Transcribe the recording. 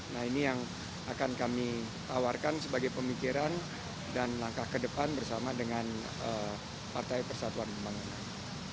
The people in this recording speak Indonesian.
nah ini yang akan kami tawarkan sebagai pemikiran dan langkah ke depan bersama dengan partai persatuan pembangunan